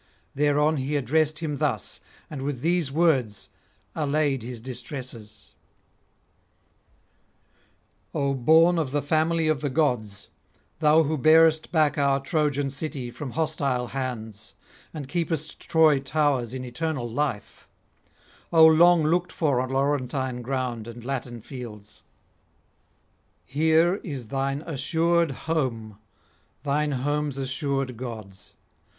Thereon he addressed him thus, and with these words allayed his distresses: 'O born of the family of the gods, thou who bearest back our Trojan city from hostile hands, and keepest Troy towers in eternal life; O long looked for on Laurentine ground and Latin fields! here is thine assured home, thine home's assured gods.